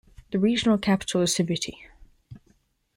The regional capital is Sibiti.